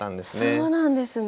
そうなんですね。